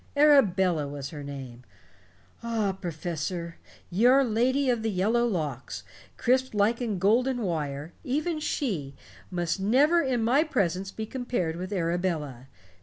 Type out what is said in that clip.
Arabella was her name. Ah, Professor, you lady of the yellow locks, crisped liken golden wire even she must never in my presence be compared with Arabella.